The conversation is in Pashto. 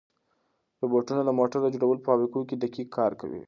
روبوټونه د موټرو د جوړولو په فابریکو کې دقیق کار کوي.